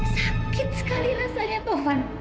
sakit sekali rasanya taufan